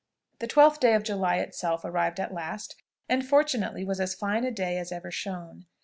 The twelfth day of July itself arrived at last, and fortunately was as fine a day as ever shone.